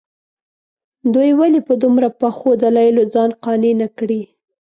دوی ولې په دومره پخو دلایلو ځان قانع نه کړي.